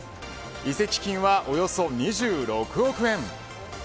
移籍金はおよそ２６億円。